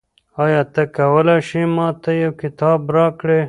آیا ته کولای شې ما ته یو کتاب راکړې؟